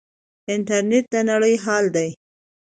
انټرنیټ د نړۍ جال دی.